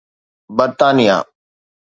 برطانيه